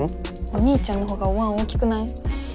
お兄ちゃんのほうがおわん大きくない？